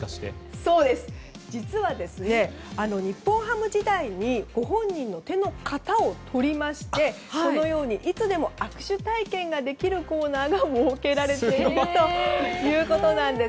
実は、日本ハム時代にご本人の手型を取りましていつでも握手体験ができるコーナーが設けられているということなんです。